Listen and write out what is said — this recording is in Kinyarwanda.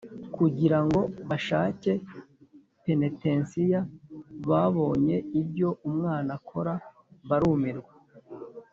\kugirango bashake penetensiya babonye ibyo umwana akora barumirwa